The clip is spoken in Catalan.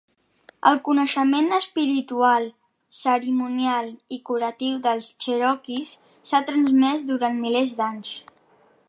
El coneixement espiritual, cerimonial i curatiu dels cherokees s'ha transmès durant milers d'anys.